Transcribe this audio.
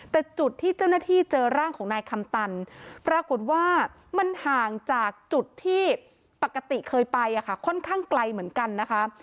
แต่จุดที่เจ้าหน้าที่เจอร่างของนายคำตันปรากฏว่ามันห่างจากจุดที่ปกติเคยไปค่อนข้างไกลเหมือนกันนะคะ